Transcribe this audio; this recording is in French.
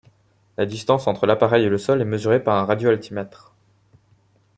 La distance entre l'appareil et le sol est mesurée par un radioaltimètre.